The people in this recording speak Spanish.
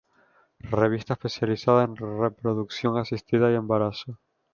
Revista especializada en reproducción asistida y embarazo.